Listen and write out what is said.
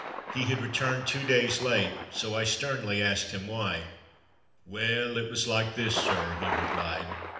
He had returned two days late, so I sternly asked him why. "Well, it was like this, sir,'' he replied.